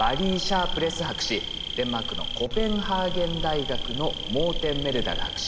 デンマークのコペンハーゲン大学のモーテン・メルダル博士。